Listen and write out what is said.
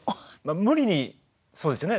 無理にそうですね